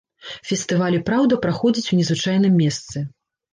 Фестываль і праўда праходзіць у незвычайным месцы.